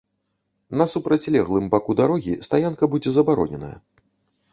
На супрацьлеглым баку дарогі стаянка будзе забароненая.